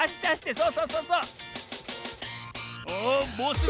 そうそうそう。